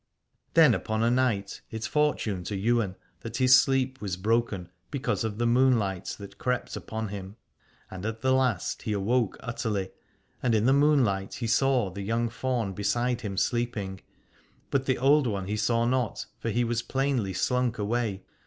Then upon a night it fortuned to Ywain 206 Aladore that his sleep was broken, because of the moonlight that crept upon him. And at the last he awoke utterly, and in the moon light he saw the young faun beside him sleeping, but the old one he saw not, for he was plainly slunk away.